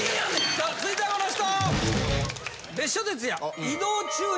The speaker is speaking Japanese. さあ続いてはこの人！